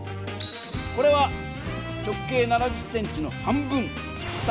これは直径７０ｃｍの半分。